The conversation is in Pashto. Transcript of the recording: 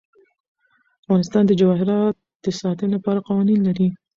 افغانستان د جواهرات د ساتنې لپاره قوانین لري.